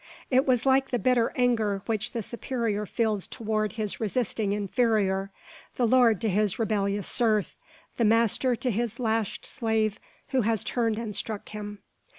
It was like the bitter anger which the superior feels towards his resisting inferior, the lord to his rebellious serf, the master to his lashed slave who has turned and struck him.